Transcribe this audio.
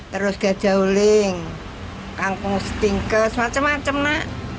terus gajahuling kangkung setingkes macam macam nak